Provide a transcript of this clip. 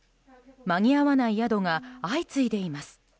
間に合わない宿が相次いでいます。